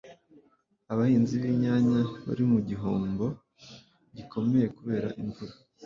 Abahinzi binyanya barimugihombo gikomeye kubera imvura